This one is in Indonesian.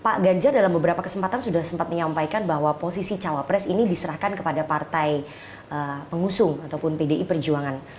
pak ganjar dalam beberapa kesempatan sudah sempat menyampaikan bahwa posisi cawapres ini diserahkan kepada partai pengusung ataupun pdi perjuangan